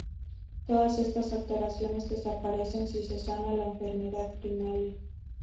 Todas estas alteraciones desaparecen si se sana la enfermedad primaria.